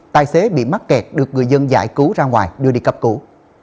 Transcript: tài xế bị mắc kẹt được người dân giải cứu ra ngoài đưa đi cấp cứu